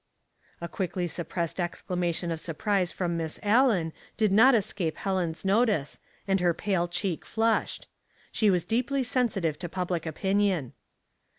A quickly suppressed exclamation of surprise from Miss Allen did not escape Helen's notice, and her pale cheek flushed. She was deeply sen sitive to public opinion.